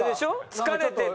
疲れてて。